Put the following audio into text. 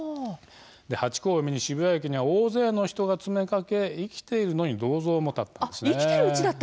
ハチ公を見に渋谷駅には大勢の人が詰めかけ生きているのに銅像が建ったんです。